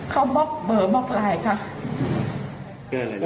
เค้าเบลบอกไลค์ค่ะ